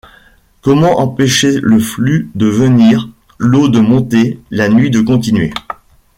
Comment empêcher le flux de venir, l’eau de monter, la nuit de continuer?